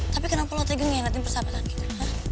tapi kenapa lo tegangnya nanti persahabatan kita